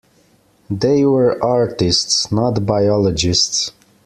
They were artists, not biologists.